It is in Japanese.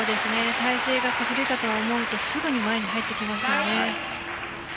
体勢が崩れたと思うとすぐに前に入ってきますよね。